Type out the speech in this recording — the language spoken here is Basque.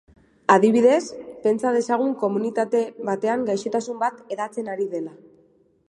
Adibidez, pentsa dezagun komunitate batean gaixotasun bat hedatzen ari dela.